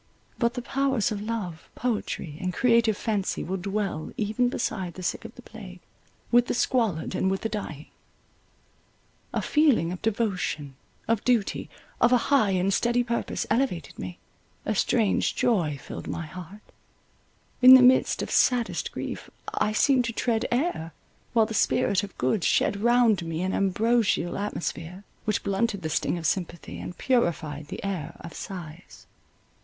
But the powers of love, poetry, and creative fancy will dwell even beside the sick of the plague, with the squalid, and with the dying. A feeling of devotion, of duty, of a high and steady purpose, elevated me; a strange joy filled my heart. In the midst of saddest grief I seemed to tread air, while the spirit of good shed round me an ambrosial atmosphere, which blunted the sting of sympathy, and purified the air of sighs.